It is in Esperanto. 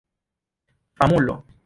famulo